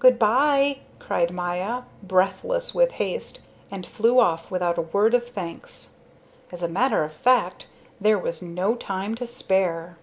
"Good by," cried Maya, breathless with haste, and flew off without a word of thanks. As a matter of fact, there was no time to spare.